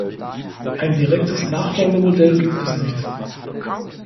Ein direktes Nachfolgemodell gibt es nicht.